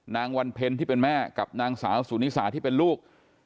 นางวันเพ็ญที่เป็นแม่กับนางสาวสุนิสาที่เป็นลูก